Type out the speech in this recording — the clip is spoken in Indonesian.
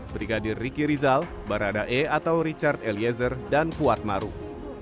brigadir riki rizal barada e atau richard eliezer dan kuat maruf